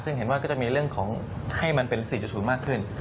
ซึ่งเห็นว่าก็จะมีเรื่องของให้มันเป็น๔๐มากขึ้น